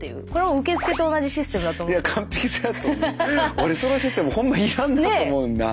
俺そのシステムホンマいらんなと思うんだ。